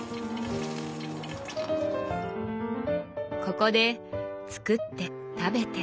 ここで作って食べて。